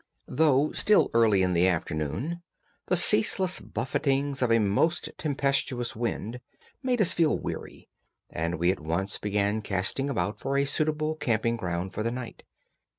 Though still early in the afternoon, the ceaseless buffetings of a most tempestuous wind made us feel weary, and we at once began casting about for a suitable camping ground for the night.